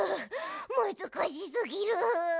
むずかしすぎる！